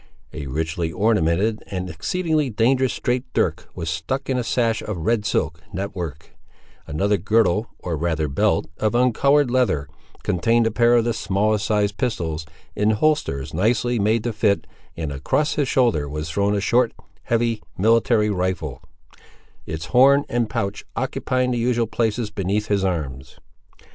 A richly ornamented, and exceedingly dangerous straight dirk was stuck in a sash of red silk net work; another girdle, or rather belt, of uncoloured leather contained a pair of the smallest sized pistols, in holsters nicely made to fit, and across his shoulder was thrown a short, heavy, military rifle; its horn and pouch occupying the usual places beneath his arms.